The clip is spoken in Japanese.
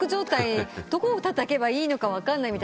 どこをたたけばいいのか分かんないみたいな。